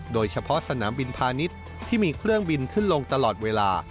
โดยเฉพาะสนามบินพาณิชย์ที่มีเครื่องบินขึ้นลงตลอดเวลา